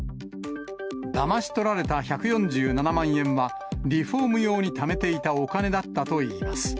だまし取られた１４７万円は、リフォーム用にためていたお金だったといいます。